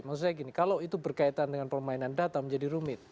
maksud saya gini kalau itu berkaitan dengan permainan data menjadi rumit